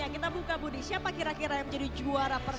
kita buka budi siapa kira kira yang menjadi juara pertama